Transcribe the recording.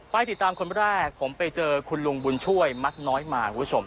ไปติดตามคนแรกผมไปเจอคุณลุงบุญช่วยมักน้อยมาคุณผู้ชม